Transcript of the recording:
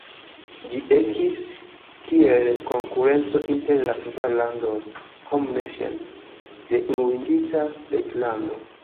Ĝi ekis kiel konkurenco inter la kvar landoj "Home Nations" de Unuiĝinta Reĝlando.